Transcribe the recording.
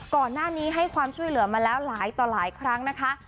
ก่อนหน้านี้ให้ความช่วยเหลือมาแล้วหลายต่อหลายครั้งนะคะ